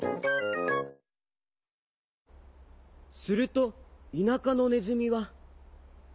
すると田舎のねずみは。